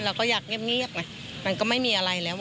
เราก็อยากเงียบไงมันก็ไม่มีอะไรแล้ว